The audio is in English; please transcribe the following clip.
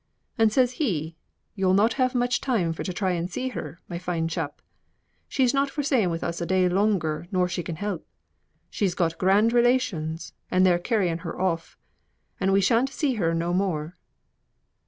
And says he, 'Yo'll not have much time for to try and see her, my fine chap. She's not for staying with us a day longer nor she can help. She's got grand relations, and they're carrying her off; and we shan't see her no more.